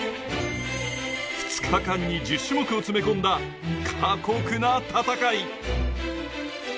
２日間に１０種目を詰め込んだ、過酷な戦い。